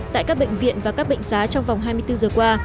tại các bệnh viện và các bệnh xá trong vòng hai mươi bốn giờ qua